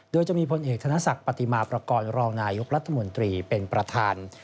โดยจะมีพลเอกธนศักดิ์ปฏิมาประกอบรองนายกรัฐมนตรีเป็นประธาน